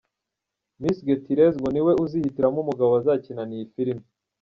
Miss Gutierrez ngo ni we uzihitiramo umugabo bazakinana iyi film.